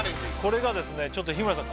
これがですねちょっと日村さん